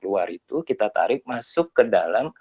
luar itu kita tarik masuk ke dalam